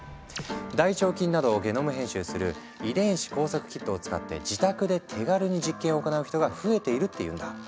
大腸菌などをゲノム編集する「遺伝子工作キット」を使って自宅で手軽に実験を行う人が増えているっていうんだ。